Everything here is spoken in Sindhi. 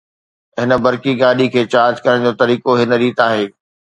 هن برقي گاڏي کي چارج ڪرڻ جو طريقو هن ريت آهي